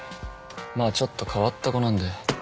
まあちょっと変わった子なんで。